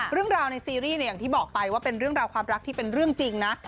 เรื่องราวในซีรีส์เนี่ยอย่างที่บอกไปว่าเป็นเรื่องราวความรักที่เป็นเรื่องจริงนะ